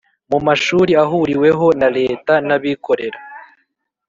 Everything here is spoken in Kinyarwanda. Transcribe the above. mu mashuri ahuriweho na Leta n abikorera